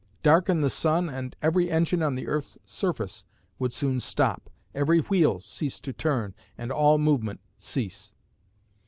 Darken the sun and every engine on the earth's surface would soon stop, every wheel cease to turn, and all movement cease.